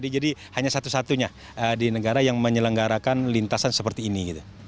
jadi hanya satu satunya di negara yang menyelenggarakan lintasan seperti ini